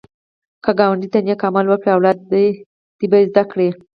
که ګاونډي ته نېک عمل وکړې، اولاد دې به زده کړي